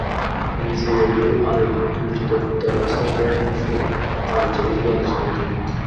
BBC রেডিওর আলোচিত the Russell Brand শোর আরজে হিসেবে আলোচিত তিনি।